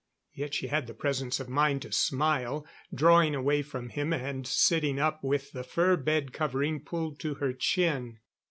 Yet she had the presence of mind to smile, drawing away from him and sitting up, with the fur bed covering pulled to her chin.